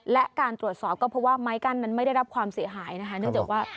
และการตรวจสอบก็เพราะว่าไม้กั้นนั้นไม่ได้รับความเสียหายนะคะ